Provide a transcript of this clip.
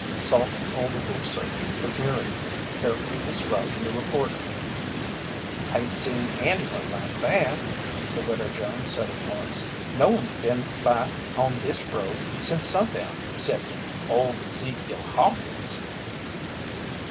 Salt told of their search for Jerry, carefully describing the reporter. "Hain't seen anyone like that," the Widow Jones said at once. "No one been by on this road since sundown 'cepting old Ezekiel Hawkins."